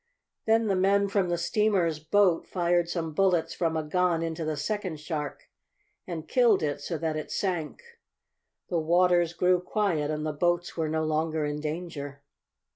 Then the men from the steamer's boat fired some bullets from a gun into the second shark and killed it so that it sank. The waters grew quiet and the boats were no longer in danger.